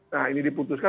nah ini diputuskan